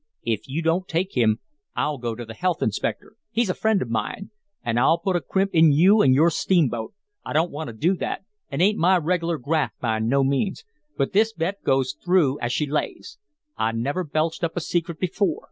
If you don't take him, I'll go to the health inspector he's a friend of mine an' I'll put a crimp in you an' your steamboat, I don't want to do that it ain't my reg'lar graft by no means but this bet goes through as she lays. I never belched up a secret before.